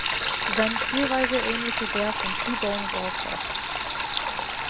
Seine Spielweise ähnelt der von T-Bone Walker.